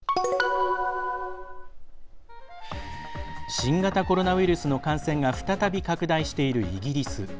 新型コロナウイルスの感染が再び拡大しているイギリス。